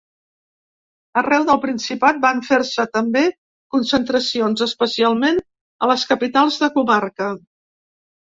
Arreu del Principat van fer-se també concentracions, especialment a les capitals de comarca.